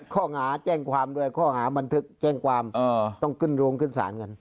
เข้าหาแจ้งความด้วยเพราะข้างหาบันทึกแจ้งความต้องคิดลง